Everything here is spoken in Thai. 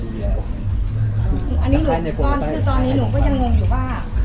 คือตอนนี้หนูยังงงอยู่ว่า